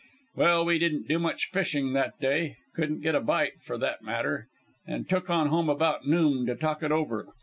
"Well, we didn't do much fishing that day couldn't get a bite, for that matter and took on home about noon to talk it over.